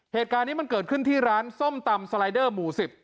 เหตุการณ์นี้มันเกิดขึ้นที่ร้านส้มตำสไลเดอร์หมู่๑๐